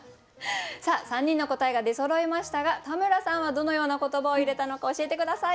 ３人の答えが出そろいましたが田村さんはどのような言葉を入れたのか教えて下さい。